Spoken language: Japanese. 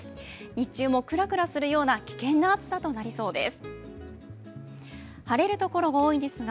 日中もくらくらするような危険な暑さとなりそうです。